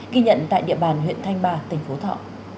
ghi nhận tại địa bàn huyện thanh ba tỉnh phú thọ